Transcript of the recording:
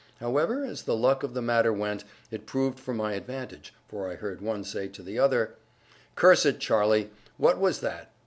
However, as the luck of the matter went, it proved for my advantage; for I heard one say to the other: "Curse it, Charlie, what was that?